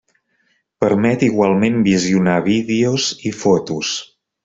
Permet igualment visionar vídeos i fotos.